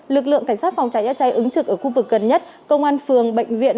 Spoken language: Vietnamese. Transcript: lực lượng cảnh sát phòng cháy chữa cháy ứng trực ở khu vực gần nhất công an phường bệnh viện